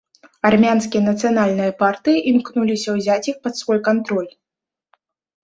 Армянскія нацыянальныя партыі імкнуліся ўзяць іх пад свой кантроль.